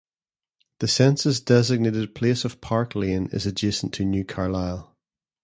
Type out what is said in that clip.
The census-designated place of Park Layne is adjacent to New Carlisle.